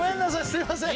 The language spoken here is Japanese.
すいません！